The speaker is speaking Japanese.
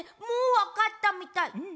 もうわかったみたい。